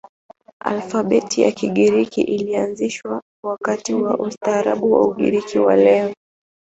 Alfabeti ya Kigiriki ilianzishwa wakati wa ustaarabu wa Ugiriki wa leo.